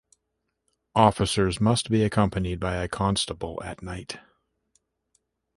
Officers must be accompanied by a constable at night.